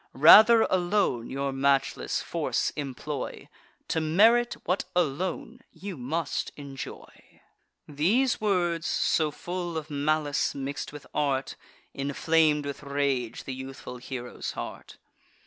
Rather alone your matchless force employ, To merit what alone you must enjoy." These words, so full of malice mix'd with art, Inflam'd with rage the youthful hero's heart.